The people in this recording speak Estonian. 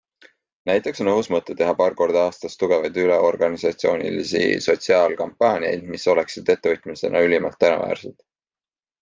Näiteks on õhus mõte teha paar korda aastas tugevaid üleorganisatsioonilisi sotsiaalkampaaniaid, mis oleksid ettevõtmistena ülimalt tänuväärsed.